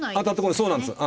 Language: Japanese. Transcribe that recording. そうなんです。